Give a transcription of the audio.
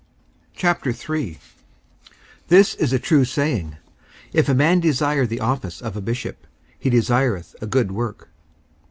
54:003:001 This is a true saying, If a man desire the office of a bishop, he desireth a good work.